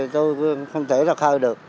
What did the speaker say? tôi không thể ra khơi được